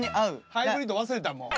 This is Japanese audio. ハイブリッド忘れたん？